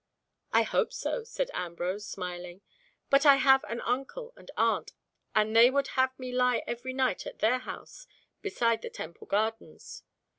"I hope so," said Ambrose, smiling; "but I have an uncle and aunt, and they would have me lie every night at their house beside the Temple gardens."